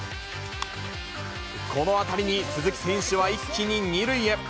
この当たりに、鈴木選手は一気に２塁へ。